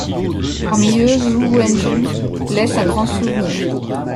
Parmi eux, Zhou Wenju laisse un grand souvenir.